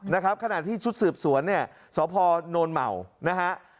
นะครับขณะที่ชุดสืบสวนเนี่ยสพโนนเหมานะฮะ